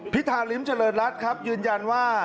ธาริมเจริญรัฐครับยืนยันว่า